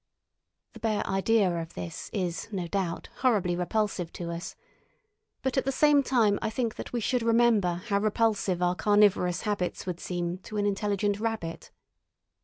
... The bare idea of this is no doubt horribly repulsive to us, but at the same time I think that we should remember how repulsive our carnivorous habits would seem to an intelligent rabbit.